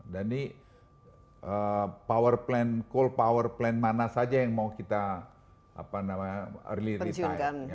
dan ini power plant coal power plant mana saja yang mau kita early retire